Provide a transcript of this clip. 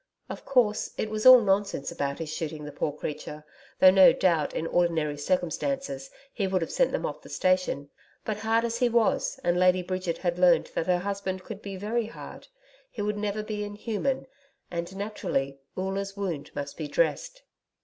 Of course, it was all nonsense about his shooting the poor creature, though no doubt, in ordinary circumstances, he would have sent them off the station. But hard as he was and Lady Bridget had learned that her husband could be very hard, he would never be inhuman, and, naturally, Oola's wound must be dressed.